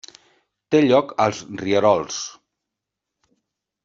Té lloc als rierols.